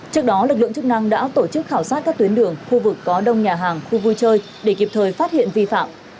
trước đó lực lượng chức năng đã tổ chức khảo sát các tuyến đường khu vực có đông nhà hàng khu vui chơi để kịp thời phát hiện vi phạm